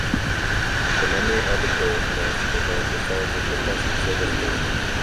The memory arbiter must then decide which request to service first.